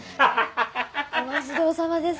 お待ち遠さまです。